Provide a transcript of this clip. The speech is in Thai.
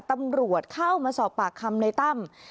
ตำรวจเข้ามาสอบปากคำในตั้ม